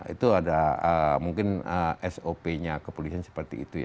itu mungkin sop nya kepolisian seperti itu